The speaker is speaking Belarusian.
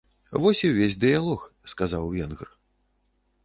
Вось і ўвесь дыялог, сказаў венгр.